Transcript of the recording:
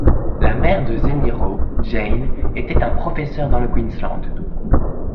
La mère de Zemiro, Jane, était un professeur dans le Queensland.